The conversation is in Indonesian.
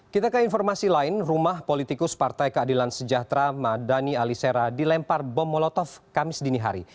kita ke informasi lain rumah politikus partai keadilan sejahtera madani alisera dilempar bom molotov kamis dini hari